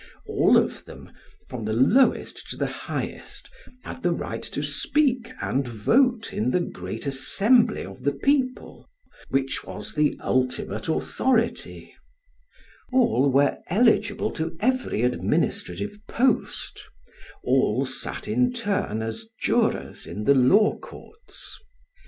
All of them, from the lowest to the highest, had the right to speak and vote in the great assembly of the people which was the ultimate authority; all were eligible to every administrative post; all sat in turn as jurors in the law courts.